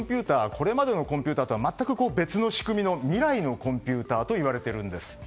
これまでのコンピューターとは全く別の仕組みの未来のコンピューターといわれているんです。